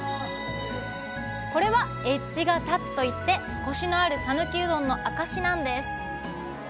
これは「エッジが立つ」といってコシのある讃岐うどんの証しなんです